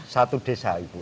satu desa itu